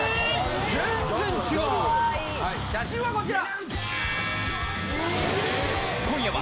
写真はこちら！